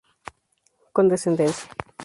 Con descendencia.